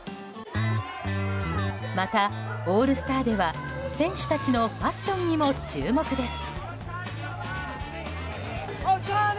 また、オールスターでは選手たちのファッションにも注目です。